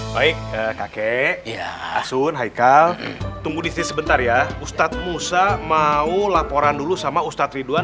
baik kakek asun haikal tunggu di sini sebentar ya ustadz musa mau laporan dulu sama ustadz ridwan